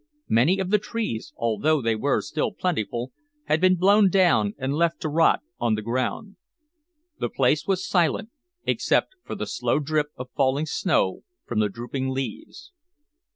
Many of the trees, although they were still plentiful, had been blown down and left to rot on the ground. The place was silent except for the slow drip of falling snow from the drooping leaves.